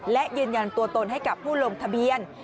และยืนยันตัวตนให้กับผู้ลงทะเบียน